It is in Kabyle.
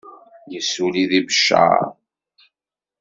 Yessulli deg Beccaṛ.